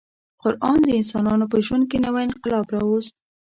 قران د انسانانو په ژوند کې نوی انقلاب راوست.